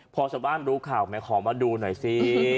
พอชาวบ้านรู้ข่าวแม่ขอมาดูหน่อยสิ